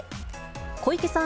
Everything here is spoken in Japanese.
小池さん